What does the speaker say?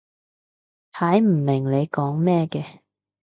睇唔明你講咩嘅